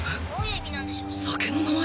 酒の名前⁉